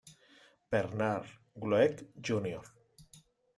Bernard Glueck, Jr.